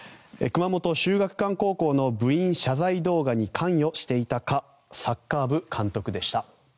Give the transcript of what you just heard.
熊本・秀岳館高校の部員謝罪動画に関与していたかサッカー部監督でした。